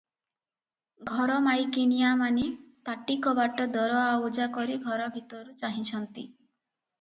ଘର ମାଇକିନିଆମାନେ ତାଟି କବାଟ ଦରଆଉଜା କରି ଘର ଭିତରୁ ଚାହିଁଛନ୍ତି ।